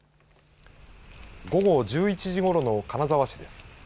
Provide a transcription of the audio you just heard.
午後１１時ごろの金沢市です。